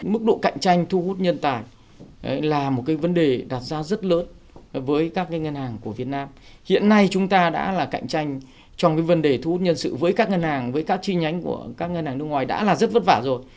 mức độ cạnh tranh thu hút nhân tài là một cái vấn đề đặt ra rất lớn với các ngân hàng của việt nam hiện nay chúng ta đã là cạnh tranh trong cái vấn đề thu hút nhân sự với các ngân hàng với các chi nhánh của các ngân hàng nước ngoài đã là rất vất vả rồi